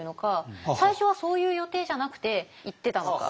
最初はそういう予定じゃなくて行ってたのか。